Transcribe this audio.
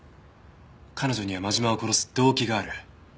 彼女には真島を殺す動機がある。